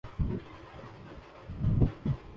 اسے بحفاظت زمین پر لایا جاسکے